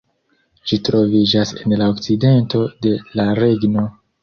Ĝi troviĝas en la okcidento de la regno.